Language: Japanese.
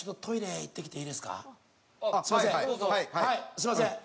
すいません。